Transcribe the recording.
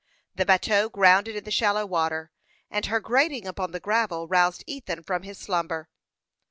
The bateau grounded in the shallow water, and her grating upon the gravel roused Ethan from his slumber.